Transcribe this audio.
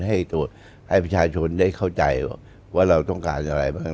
ให้ตัวให้ประชาชนได้เข้าใจว่าเราต้องการอะไรบ้าง